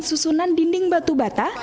susunan dinding batu bata